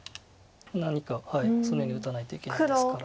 何か常に打たないといけないですから。